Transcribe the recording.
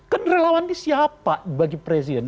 kan relawan ini siapa bagi presiden